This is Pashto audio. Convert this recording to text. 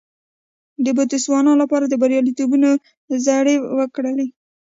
د بوتسوانا لپاره د بریالیتوبونو زړي وکرل.